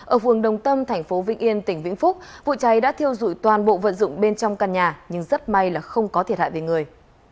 ở phường đồng tâm thành phố vĩnh yên tỉnh vĩnh phúc vụ cháy đã thiêu dụi toàn bộ vận dụng bên trong căn nhà nhưng rất may là không có thiệt hại về người